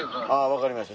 分かりました